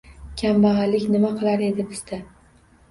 Kambag‘allik nima qilar edi bizda?